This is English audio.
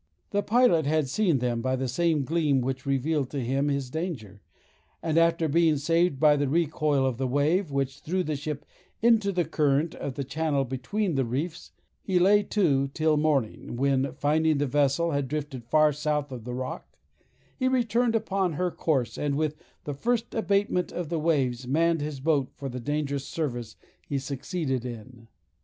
The pilot had seen them by the same gleam which revealed to him his danger, and after being saved by the recoil of the wave, which threw the ship into the current of the channel between the reefs, he lay to till morning, when finding the vessel had drifted far south of the rock, he returned upon her course, and with the first abatement of the waves, manned his boat for the dangerous service he succeeded in.